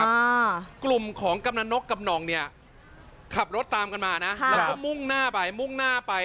แล้วกลุ่มของกำนานนกกำนองขับรถตามมานะ